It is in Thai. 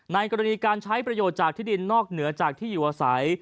ในกรณีการใช้ประโยชน์จากที่ดินนอกเหนือจากที่อยู่อาศัย